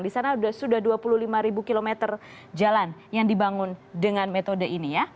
di sana sudah dua puluh lima km jalan yang dibangun dengan metode ini ya